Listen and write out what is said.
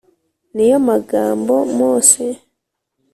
ni yo magambo Mose